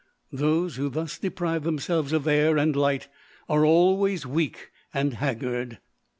Those who thus deprive themselves of air and light are always weak and haggard.